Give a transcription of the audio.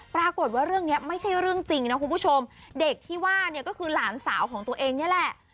ปรากฏว่าเรื่องนี้ไม่ใช่เรื่องจริงนะคุณผู้ชมเด็กที่ว่าเนี่ยก็คือหลานสาวของตัวเองนี่แหละ